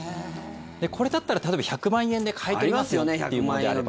これだったら例えば１００万円で買い取りますよというものであれば。